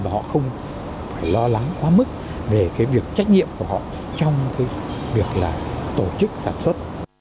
và họ không phải lo lắng quá mức về cái việc trách nhiệm của họ trong cái việc là tổ chức sản xuất